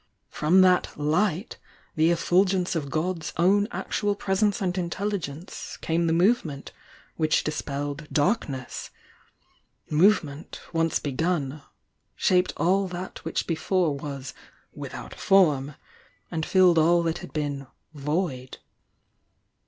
From that 'Li^ht,' the efful gence of God's own Actual Presence and Intelligence, came the Movement which dispelled 'darkness.' Movement, once begun, shaped all that which be fore was 'without form' and filled all that had been 'void.'